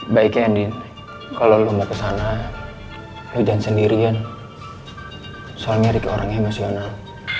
baik ya nien kalo lu mau kesana lu jangan sendirian soalnya ricky orang emosional